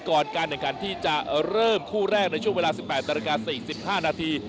ก่อนการแข่งขันที่จะเริ่มคู่แรกในช่วงเวลา๑๘นาฬิกา๔๕นาที